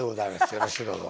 よろしくどうぞ。